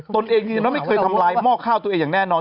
ตนเองยืนยันว่าไม่เคยทำลายหม้อข้าวตัวเองอย่างแน่นอน